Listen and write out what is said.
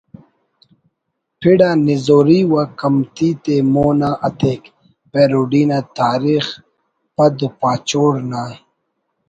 پڑ آ نزروی و کمتی تے مون آ اتیک'' پیروڈی نا تاریخ پد پاچوڑ نا